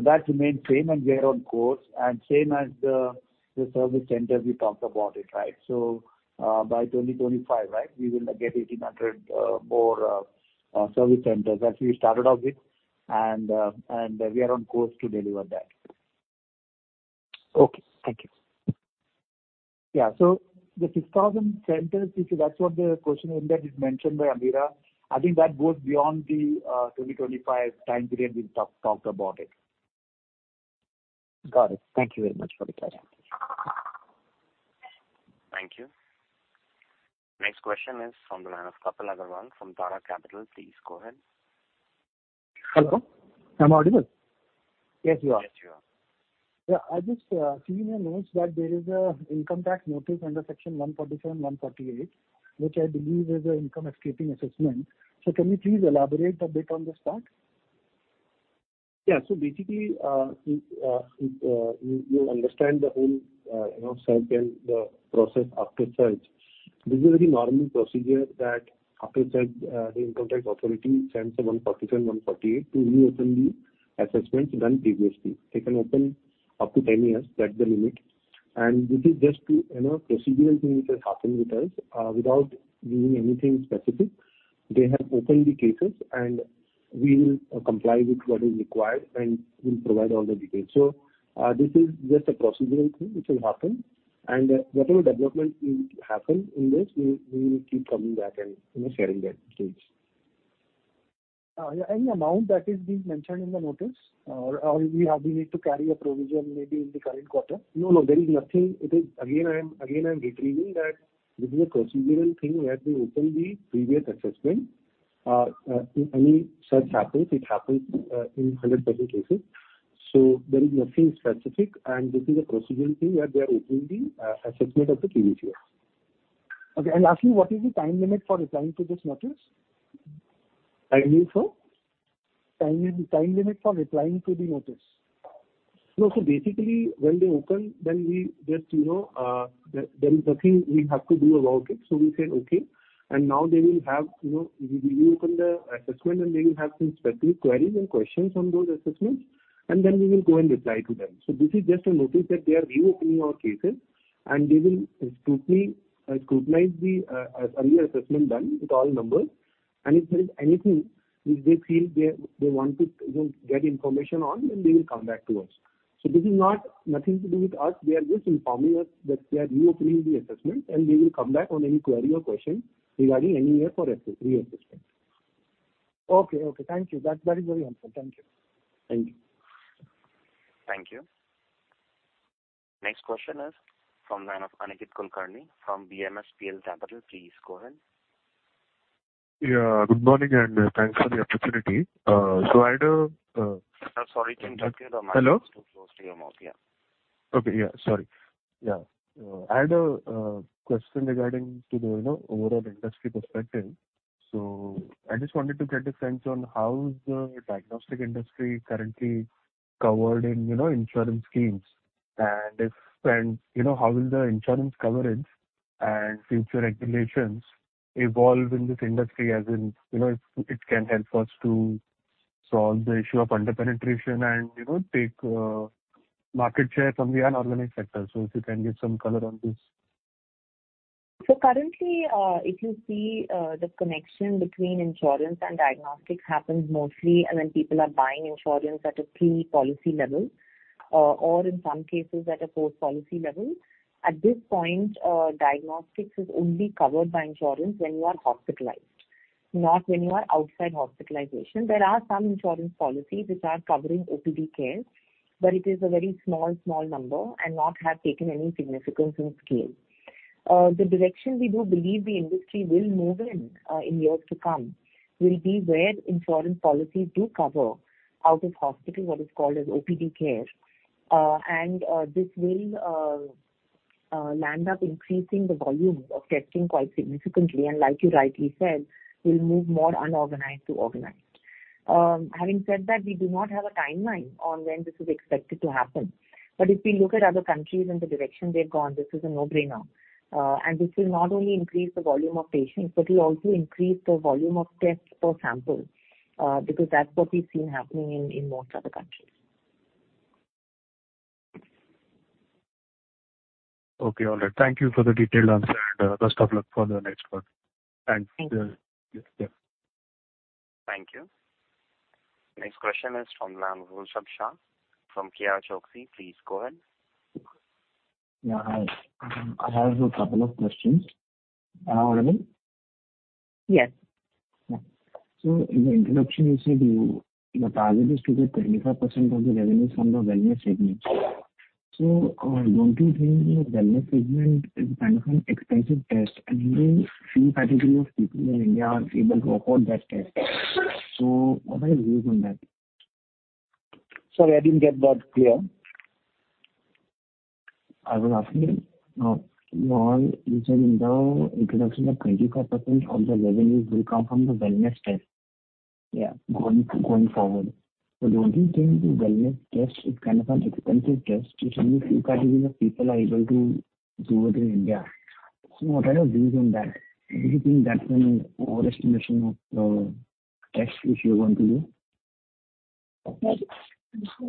That remains same, and we are on course, and same as the service centers we talked about it, right? By 2025, right, we will get 1,800 more service centers that we started off with, and, and we are on course to deliver that. Okay, thank you. Yeah. The 6,000 centers, if that's what the question is that is mentioned by Ameera, I think that goes beyond the 2025 time period we talked, talked about it. Got it. Thank you very much for the clarity. Thank you. Next question is from the line of Kapil Agarwal from Tara Capital. Please go ahead. Hello, am I audible? Yes, you are. Yes, you are. Yeah, I just, seeing your notes that there is an income tax notice under Section 147, 148, which I believe is an income escaping assessment. Can you please elaborate a bit on this part? Yeah. Basically, you, you understand the whole, you know, search and the process after search. This is a very normal procedure that after search, the income tax authority sends a 147, 148 to reopen the assessments done previously. They can open up to 10 years, that's the limit. This is just to, you know, procedural thing which has happened with us. Without doing anything specific, they have opened the cases, and we will comply with what is required, and we'll provide all the details. This is just a procedural thing which will happen, and whatever development will happen in this, we, we will keep coming back and, you know, sharing that stage. Yeah, the amount that is being mentioned in the notice, or, or we have, we need to carry a provision maybe in the current quarter? No, no, there is nothing. It is. Again, I am, again, I am reiterating that this is a procedural thing, where they open the previous assessment. Any search happens, it happens, in 100% cases. There is nothing specific, and this is a procedural thing, where they are opening the assessment of the previous years. Okay. Lastly, what is the time limit for replying to this notice? Pardon me, sir. Time limit, time limit for replying to the notice. No. Basically, when they open, then we just, you know, there, there is nothing we have to do about it. We said, "Okay." Now they will have, you know, reopen the assessment, and they will have some specific queries and questions on those assessments, and then we will go and reply to them. This is just a notice that they are reopening our cases, and they will scrutiny, scrutinize the earlier assessment done with all numbers. If there is anything which they feel they, they want to, you know, get information on, then they will come back to us. This is not nothing to do with us. They are just informing us that they are reopening the assessment, and they will come back on any query or question regarding any year for re- assessment. Okay, okay. Thank you. That, that is very helpful. Thank you. Thank you. Thank you. Next question is from line of Aniket Kulkarni, from BMSPL Capital. Please go ahead. Yeah, good morning, thanks for the opportunity. I had a Sorry to interrupt you. Hello? The mic is too close to your mouth. Yeah. Okay, yeah. Sorry. Yeah. I had a question regarding to the, you know, overall industry perspective. I just wanted to get a sense on how is the diagnostic industry currently covered in, you know, insurance schemes. If, and, you know, how will the insurance coverage and future regulations evolve in this industry, as in, you know, it, it can help us to solve the issue of under-penetration and, you know, take market share from the unorganized sector. If you can give some color on this? Currently, if you see, the connection between insurance and diagnostics happens mostly, and when people are buying insurance at a pre-policy level, or in some cases, at a post-policy level. At this point, diagnostics is only covered by insurance when you are hospitalized, not when you are outside hospitalization. There are some insurance policies which are covering OPD care, but it is a very small, small number and not have taken any significance in scale. The direction we do believe the industry will move in, in years to come, will be where insurance policies do cover out of hospital, what is called as OPD care. This will land up increasing the volume of testing quite significantly, and like you rightly said, will move more unorganized to organized. Having said that, we do not have a timeline on when this is expected to happen. If we look at other countries and the direction they've gone, this is a no-brainer. This will not only increase the volume of patients, but will also increase the volume of tests per sample, because that's what we've seen happening in, in most other countries. Okay, all right. Thank you for the detailed answer, and, best of luck for the next one. Thank you. Yeah, yeah. Thank you. Next question is from the line of Gulshan Shah, from KR Choksey. Please go ahead. Yeah, hi. I have a couple of questions. Am I audible? Yes. Yeah. In the introduction, you said you, your target is to get 25% of the revenues from the value segment. Don't you think the wellness segment is kind of an expensive test, and only a few category of people in India are able to afford that test? What are your views on that? Sorry, I didn't get that clear. I was asking, you all you said in the introduction that 24% of the revenues will come from the wellness test. Yeah. Going, going forward. Don't you think the wellness test is kind of an expensive test, which only a few category of people are able to do it in India? What are your views on that? Do you think that's an overestimation of test which you're going to do?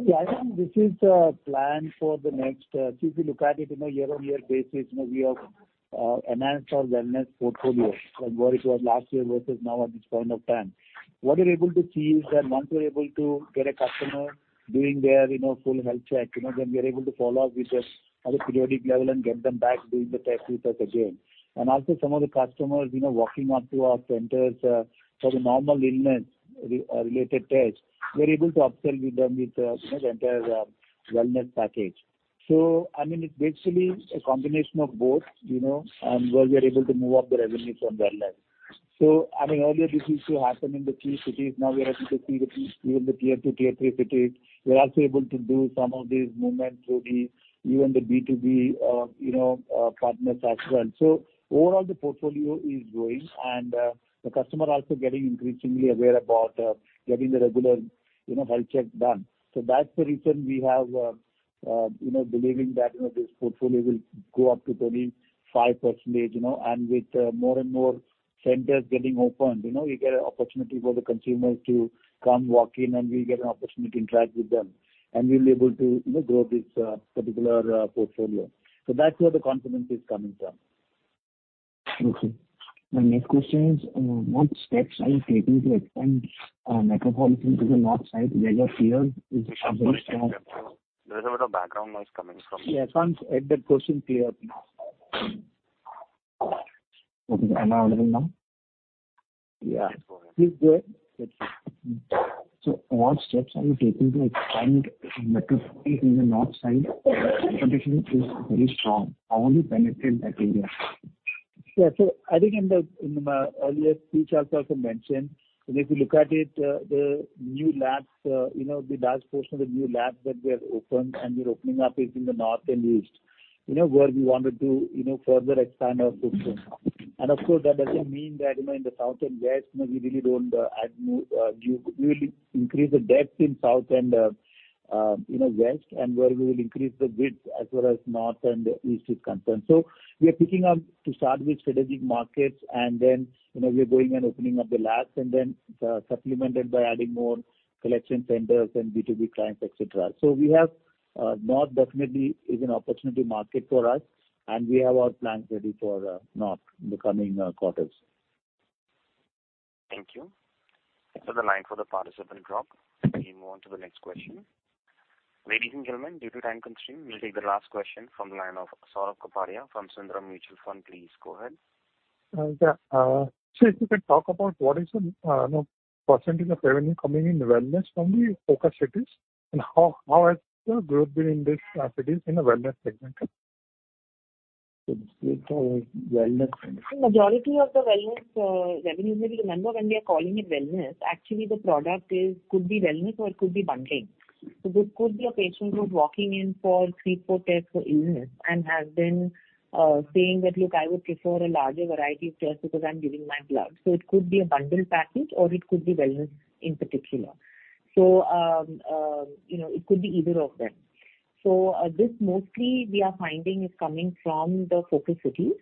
Yeah, I think this is the plan for the next. If you look at it, you know, year-on-year basis, you know, we have enhanced our wellness portfolio from where it was last year versus now at this point of time. What we're able to see is that once we're able to get a customer doing their, you know, full health check, you know, then we are able to follow up with this at a periodic level and get them back doing the test with us again. Also some of the customers, you know, walking up to our centers, for the normal illness related tests, we're able to upsell with them with, you know, entire wellness package. I mean, it's basically a combination of both, you know, and where we are able to move up the revenue from wellness. I mean, earlier this used to happen in the tier cities. Now we are able to see the tier, even the tier two, tier three cities. We're also able to do some of these movements through the, even the B2B, you know, partners as well. Overall, the portfolio is growing, and the customer also getting increasingly aware about getting the regular, you know, health check done. That's the reason we have, you know, believing that, you know, this portfolio will go up to 25%, you know. With more and more centers getting opened, you know, we get an opportunity for the consumers to come walk in, and we get an opportunity to interact with them, and we'll be able to, you know, grow this particular portfolio. That's where the confidence is coming from. Okay. My next question is, what steps are you taking to expand Metropolis into the North side, where your tier is? There's a bit of background noise coming from. I can't hear the question clear. Am I audible now? Yeah. Please go ahead. What steps are you taking to expand Metropolis in the North side? Competition is very strong. How will you penetrate that area? Yeah. I think in the, in my earlier speech, I also mentioned, and if you look at it, the new labs, you know, the large portion of the new labs that we have opened and we're opening up is in the North and East. You know, where we wanted to, you know, further expand our footprint. Of course, that doesn't mean that, you know, in the South and West, you know, we really don't add new, we will increase the depth in South and, you know, West, and where we will increase the width as well as North and East is concerned. We are picking up to start with strategic markets, and then, you know, we are going and opening up the labs, and then, supplemented by adding more collection centers and B2B clients, et cetera. We have, North definitely is an opportunity market for us, and we have our plans ready for, North in the coming, quarters. Thank you. The line for the participant drop. Let me move on to the next question. Ladies and gentlemen, due to time constraint, we'll take the last question from the line of Saurabh Kapadia from Sundaram Mutual Fund. Please go ahead. Yeah. If you could talk about what is the, you know, % of revenue coming in the wellness from the focus cities, and how, how has the growth been in this cities in the wellness segment? wellness segment. The majority of the wellness revenue, maybe remember when we are calling it wellness, actually the product is, could be wellness or it could be bundling. This could be a patient who's walking in for free poor test for illness and has been saying that: "Look, I would prefer a larger variety of tests because I'm giving my blood." It could be a bundle package or it could be wellness in particular. You know, it could be either of them. This mostly we are finding is coming from the focus cities,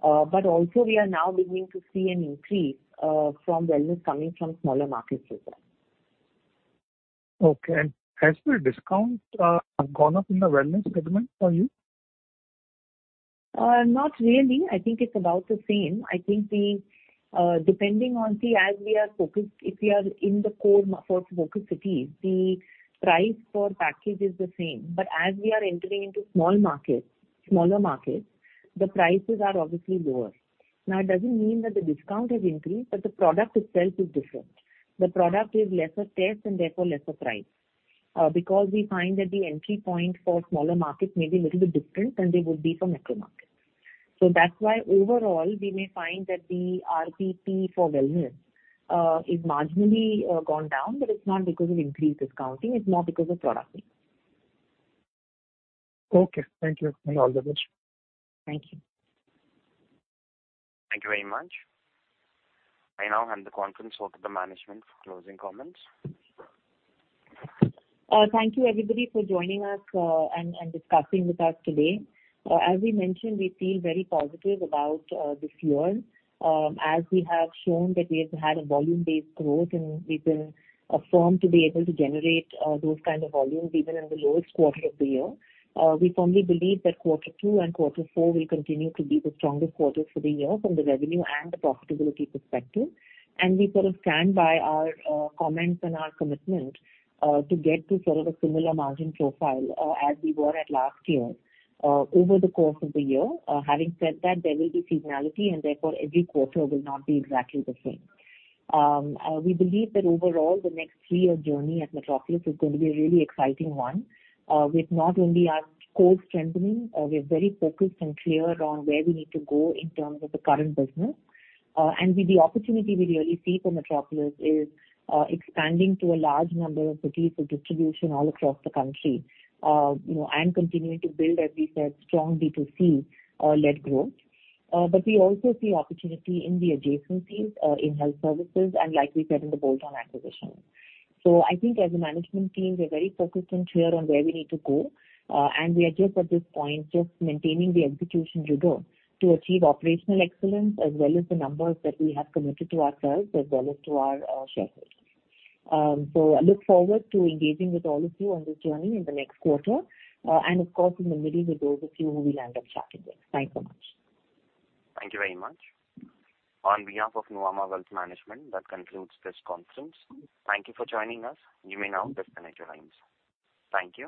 but also we are now beginning to see an increase from wellness coming from smaller markets as well. Okay. Has the discounts gone up in the wellness segment for you? Not really. I think it's about the same. I think the, depending on. See, as we are focused, if we are in the core sort of focus cities, the price for package is the same. As we are entering into small markets, smaller markets, the prices are obviously lower. Now, it doesn't mean that the discount has increased, but the product itself is different. The product is lesser test and therefore lesser price. Because we find that the entry point for smaller markets may be little bit different than they would be for macro markets. That's why overall, we may find that the RPP for wellness is marginally gone down, but it's not because of increased discounting, it's more because of product mix. Okay. Thank you, and all the best. Thank you. Thank you very much. I now hand the conference over to the management for closing comments. Thank you, everybody, for joining us and discussing with us today. As we mentioned, we feel very positive about this year. As we have shown that we have had a volume-based growth, and we've been affirmed to be able to generate those kind of volumes even in the lowest quarter of the year. We firmly believe that quarter two and quarter four will continue to be the strongest quarters for the year from the revenue and the profitability perspective. We sort of stand by our comments and our commitment to get to sort of a similar margin profile as we were at last year over the course of the year. Having said that, there will be seasonality, and therefore, every quarter will not be exactly the same. We believe that overall, the next three-year journey at Metropolis is going to be a really exciting one. With not only our core strengthening, we're very focused and clear on where we need to go in terms of the current business. With the opportunity we really see for Metropolis is expanding to a large number of cities for distribution all across the country, you know, and continuing to build, as we said, strong B2C led growth. We also see opportunity in the adjacencies, in health services and like we said, in the bolt-on acquisitions. I think as a management team, we're very focused and clear on where we need to go, and we are just at this point, just maintaining the execution rigor to achieve operational excellence, as well as the numbers that we have committed to ourselves, as well as to our shareholders. I look forward to engaging with all of you on this journey in the next quarter, and of course, in the middle with those of you who we'll end up chatting with. Thanks so much. Thank you very much. On behalf of Nuvama Wealth Management, that concludes this conference. Thank you for joining us. You may now disconnect your lines. Thank you.